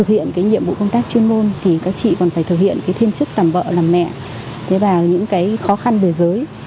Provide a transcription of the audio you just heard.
chuyên môn thì các chị còn phải thực hiện cái thiên chức làm vợ làm mẹ và những cái khó khăn về giới